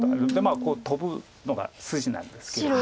こうトブのが筋なんですけれども。